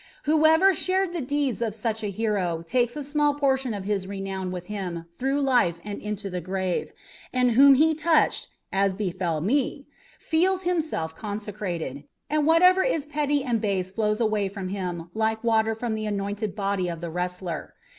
Whoever shared the deeds of such a hero takes a small portion of his renown with him through life and into the grave, and whom he touched, as befell me, feels himself consecrated, and whatever is petty and base flows away from him like water from the anointed body of the wrestler.